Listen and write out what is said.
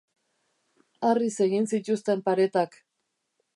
Harriz egin zituzten paretak.